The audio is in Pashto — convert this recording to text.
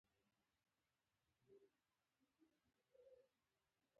همدا ډول عکس العمل او پايلې يې درلودلې دي